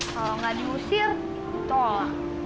kalau nggak diusir ditolak